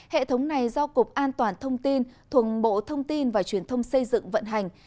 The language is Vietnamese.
hệ thống này do cục an toàn thông tin thuận bộ thông tin và truyền thông xây dựng vận hành